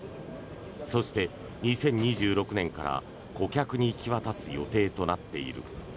そして、２０２６年から顧客に引き渡す予定となっている。